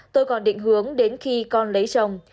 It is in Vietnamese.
tôi còn định hướng đến khi con lấy chồng